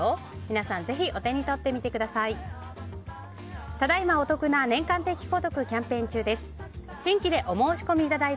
皆さん、ぜひお手に取ってみてください。